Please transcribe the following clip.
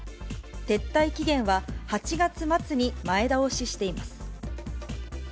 撤退期限は、８月末に前倒ししています。